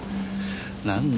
なんだ？